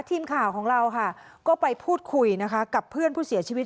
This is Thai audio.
ทีมข่าวของเราค่ะก็ไปพูดคุยนะคะกับเพื่อนผู้เสียชีวิต